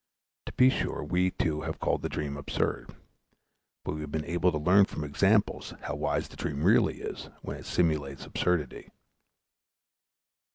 To be sure we, too, have called the dream absurd; but we have been able to learn from examples how wise the dream really is when it simulates absurdity.